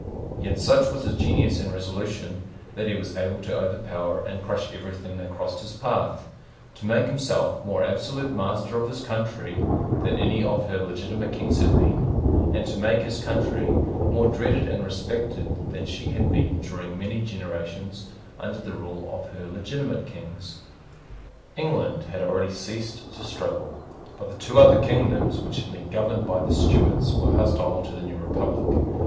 Yet such, was his genius and resolution that he was able to overpower and crush everything that crossed his path, to make himself more absolute master of his country than any of her legitimate Kings had been, and to make his country more dreaded and respected than she had been during many generations under the rule of her legitimate Kings. England had already ceased to struggle. But the two other kingdoms which had been governed by the Stuarts were hostile to the new republic.